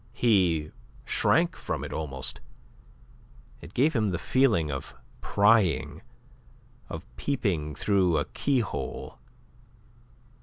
He shrank from it almost; it gave him the feeling of prying, of peeping through a keyhole.